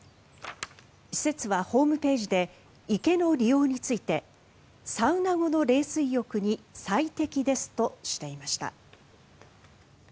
施設はホームページで池の利用についてサウナ後の冷水浴に最適ですとしていました。